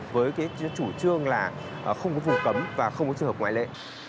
với chủ trương là không có phù cấm và không có trường hợp ngoại lệ